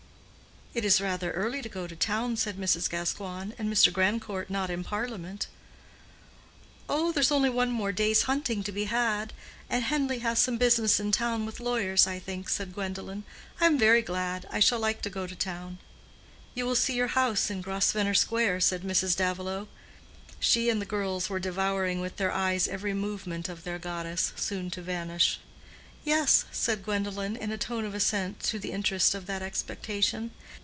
"It is rather early to go to town," said Mrs. Gascoigne, "and Mr. Grandcourt not in Parliament." "Oh, there is only one more day's hunting to be had, and Henleigh has some business in town with lawyers, I think," said Gwendolen. "I am very glad. I shall like to go to town." "You will see your house in Grosvenor Square," said Mrs. Davilow. She and the girls were devouring with their eyes every movement of their goddess, soon to vanish. "Yes," said Gwendolen, in a tone of assent to the interest of that expectation.